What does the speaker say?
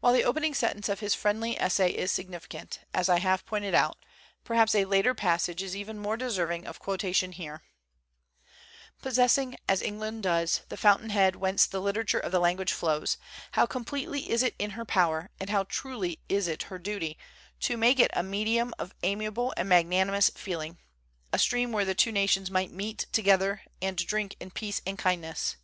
While the opening sentence of his friendly essay is significant, as I have pointed out, per haps a later passage is even more deserving of quotation here: Possessing, as England does, the fountain head whence the literature of the language flows, how com pletely is it in her power, and how truly is it her duty, to make it a medium of amiable and magnanimous feeling a stream where the two nations might meet together, and drink in peace and kindness.